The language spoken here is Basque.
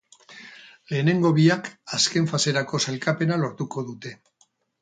Lehenengo biak azken faserako sailkapena lortuko dute.